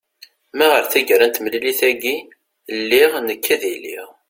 ma ɣer tagara n temlilit-agi lliɣ nekk ad iliɣ